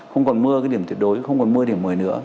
không còn mưa cái điểm tuyệt đối không còn mưa điểm một mươi nữa